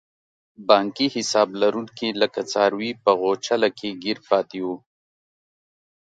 بانکي حساب لرونکي لکه څاروي په غوچله کې ګیر پاتې وو.